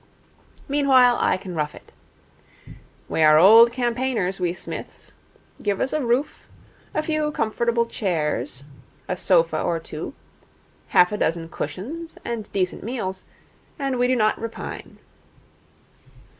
Meanwhile, I can rough it. We are old campaigners, we Psmiths. Give us a roof, a few comfortable chairs, a sofa or two, half a dozen cushions, and decent meals, and we do not repine.